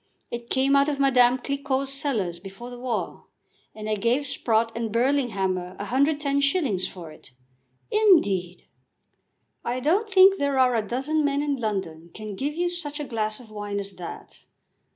It came out of Madame Cliquot's cellars before the war, and I gave Sprott and Burlinghammer 110s. for it." "Indeed!" "I don't think there are a dozen men in London can give you such a glass of wine as that.